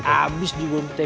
abis juga minta t dua